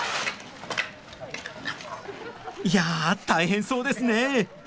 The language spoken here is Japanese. いや大変そうですねえ。